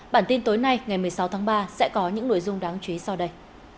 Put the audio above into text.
bản tin tối nay ngày một mươi sáu tháng ba sẽ có những nội dung đáng chú ý sau đây